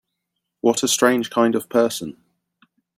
What a strange kind of person!